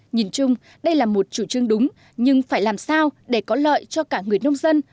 nhìn chung đây là một chủ trương đúng nhưng phải làm sao để có lợi cho cả người nông dân